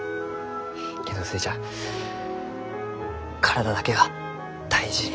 けんど寿恵ちゃん体だけは大事に。